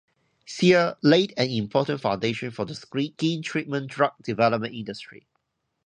Hsia laid an important foundation for the skin treatment drug development industry.